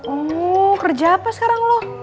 oh kerja apa sekarang loh